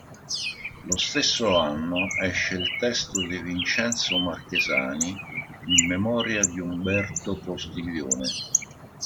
Lo stesso anno esce il testo di Vincenzo Marchesani, "In memoria di Umberto Postiglione".